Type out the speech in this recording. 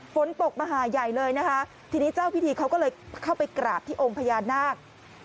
ฝนตกมหาใหญ่เลยนะคะทีนี้เจ้าพิธีเขาก็เลยเข้าไปกราบที่องค์พญานาค